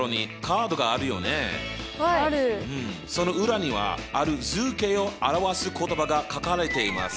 その裏にはある図形を表す言葉が書かれています。